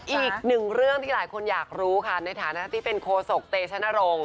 อีกหนึ่งเรื่องที่หลายคนอยากรู้ค่ะในฐานะที่เป็นโคศกเตชนรงค์